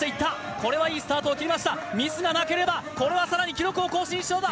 これはいいスタートを切りましたミスがなければこれは更に記録を更新しそうだ。